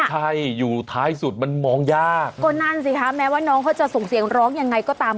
ใช่อยู่ท้ายสุดมันมองยากก็นั่นสิคะแม้ว่าน้องเขาจะส่งเสียงร้องยังไงก็ตาม